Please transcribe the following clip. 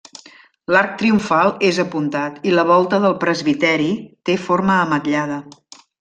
L'arc triomfal és apuntat i la volta del presbiteri, té forma ametllada.